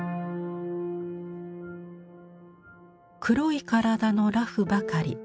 黒い体の裸婦ばかり。